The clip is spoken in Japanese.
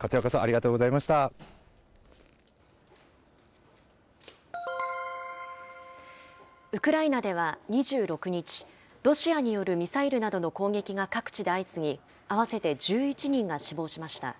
こちらこそ、ありがとうござウクライナでは２６日、ロシアによるミサイルなどの攻撃が各地で相次ぎ、合わせて１１人が死亡しました。